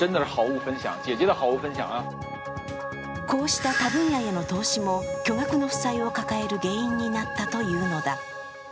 こうした他分野への投資も巨額の負債を抱える原因になったというのだ。